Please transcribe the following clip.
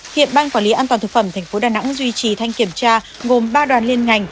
hiện ban quản lý an toàn thực phẩm tp đà nẵng duy trì thanh kiểm tra gồm ba đoàn liên ngành